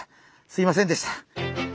すいませんでした。